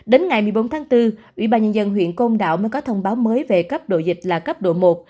đến ngày một mươi bốn tháng bốn ủy ban nhân dân huyện công đảo mới có thông báo mới về cấp độ dịch là cấp độ một